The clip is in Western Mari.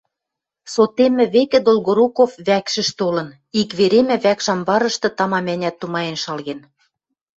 Сотеммӹ векӹ Долгоруков вӓкшӹш толын, ик веремӓ вӓкш амбарышты тамам-ӓнят тумаен шалген.